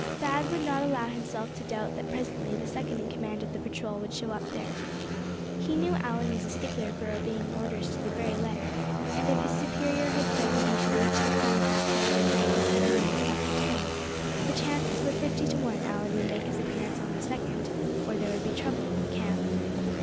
Thad would not allow himself to doubt that presently the second in command of the patrol would show up there. He knew Allan was a stickler for obeying orders to the very letter, and if his superior had said that he should reach the crown of that hill at exactly seven minutes after ten, the chances were fifty to one Allan would make his appearance on the second; or there would be trouble in the camp.